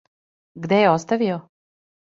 Где је оставио?